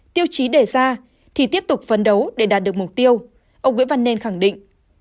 tiêu chí đề ra thì tiếp tục phấn đấu để đạt được mục tiêu ông nguyễn văn nên khẳng định